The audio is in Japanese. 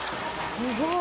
すごい！